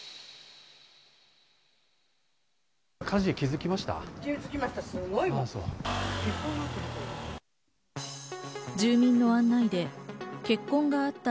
火事気づきました？